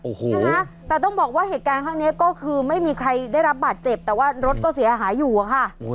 โอ้โหนะคะแต่ต้องบอกว่าเหตุการณ์ข้างนี้ก็คือไม่มีใครได้รับบาดเจ็บแต่ว่ารถก็เสียหายอยู่อะค่ะ